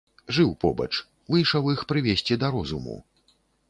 Жыў побач, выйшаў іх прывесці да розуму.